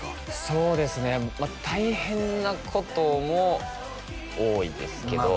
そうですねまあ大変なことも多いですけどまあ